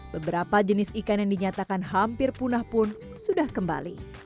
beberapa jenis ikan yang dinyatakan hampir punah pun sudah kembali